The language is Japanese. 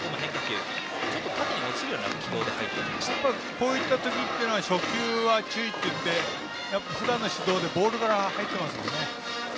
こういった時というのは初球注意といってふだんの指導でボールから入っていますからね。